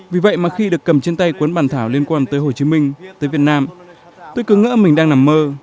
vì vậy mà khi được cầm trên tay cuốn bàn thảo liên quan tới hồ chí minh tới việt nam tôi cứ ngỡ mình đang nằm mơ